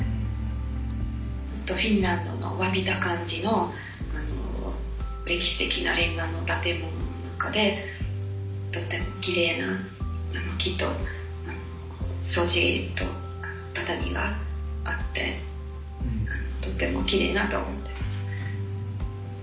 フィンランドの侘びた感じの歴史的なレンガの建物の中でとてもきれいな木と障子と畳があってとてもきれいだと思っています。